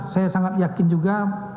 saya sangat yakin juga